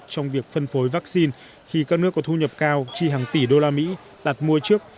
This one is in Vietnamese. trong việc phân phối vaccine khi các nước có thu nhập cao chi hàng tỷ đô la mỹ đặt mua trước